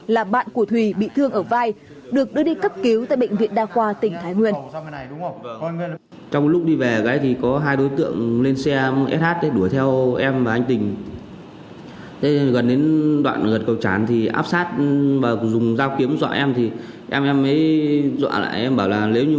là bạn của thùy bị thương ở vai được đưa đi cấp cứu tại bệnh viện đa khoa tỉnh thái nguyên